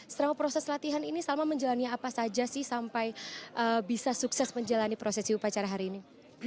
selama proses latihan ini salma menjalannya apa saja sih sampai bisa sukses menjalani proses siup acara hari ini